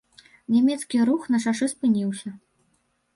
Нямецкі рух на шашы спыніўся.